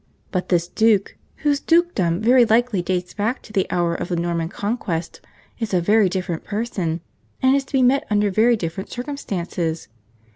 But this duke, whose dukedom very likely dates back to the hour of the Norman Conquest, is a very different person, and is to be met under very different circumstances.